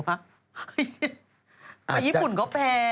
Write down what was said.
ไปญี่ปุ่นก็แพง